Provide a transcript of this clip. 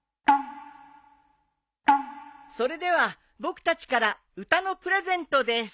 それでは僕たちから歌のプレゼントです。